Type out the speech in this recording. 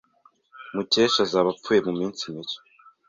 Mukesha azaba apfuye muminsi mike.